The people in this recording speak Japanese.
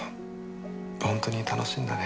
本当に楽しいんだね。